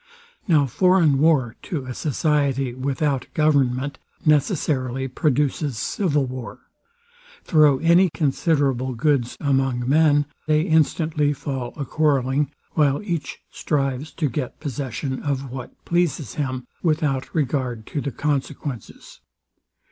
Now foreign war to a society without government necessarily produces civil war. Throw any considerable goods among men, they instantly fall a quarrelling, while each strives to get possession of what pleases him, without regard to the consequences.